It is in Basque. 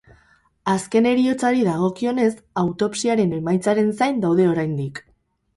Azken heriotzari dagokionez, autopsiaren emaitzaren zain daude oraindik.